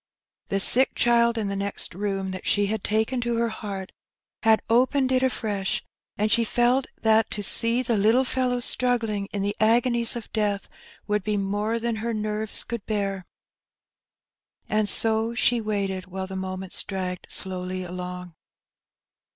The sick child in the next room, that she had taken to her heart, had opened it afresh, and she felt that to see the little fellow struggling in the agonies of death would be more than her nerves could bear. And so she waited while the moments dragged slowly along.